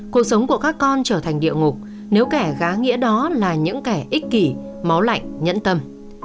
cuộc sống của các con trở thành địa ngục nếu kẻ gá nghĩa đó là những kẻ ích kỷ máu lạnh nhẫn tâm